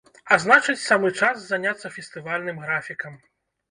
А значыць, самы час заняцца фестывальным графікам.